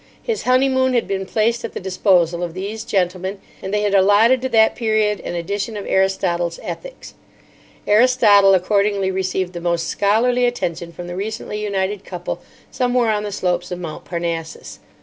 His honeymoon had been placed at the disposal of these gentlemen, and they had allotted to that period an edition of Aristotle's Ethics. Aristotle, accordingly, received the most scholarly attention from the recently united couple somewhere on the slopes of Mount Parnassus.